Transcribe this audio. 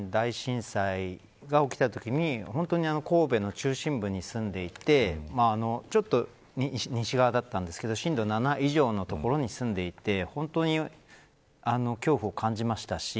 僕も阪神大震災が起きたときに神戸の中心部に住んでいてちょっと西側だったんですけど震度７以上の所に住んでいて本当に恐怖を感じましたし。